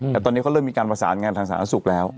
แต่ตอนนี้เขาเริ่มมีการประสานงานทางศาลนักศูนย์แล้ว